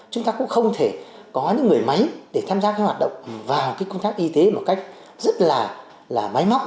chúng ta cũng không thể có những người máy để tham gia cái hoạt động vào công tác y tế một cách rất là máy móc